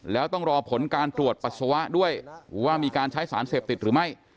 แล้วต้องรอผลการตรวจปัสสาวะด้วยว่ามีการใช้สารเสพติดหรือไม่